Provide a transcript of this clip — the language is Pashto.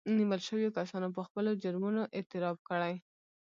نيول شويو کسانو په خپلو جرمونو اعتراف کړی